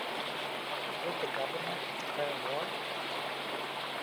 Would the government declare war?